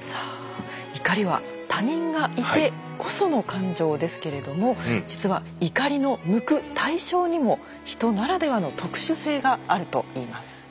さあ怒りは他人がいてこその感情ですけれども実は怒りの向く対象にもヒトならではの特殊性があるといいます。